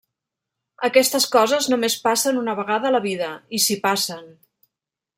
Aquestes coses només passen una vegada a la vida, i si passen.